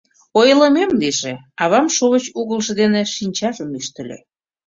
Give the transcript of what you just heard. Ойлымем лийже... — авам шовыч угылжо дене шинчажым ӱштыльӧ.